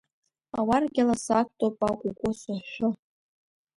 Ауаргьала сақәтәоуп, акәукәу сыҳәҳәо.